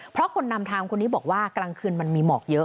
เพราะคนนำทางคนนี้บอกว่ากลางคืนมันมีหมอกเยอะ